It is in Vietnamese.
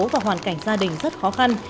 và hoàn cảnh gia đình rất khó khăn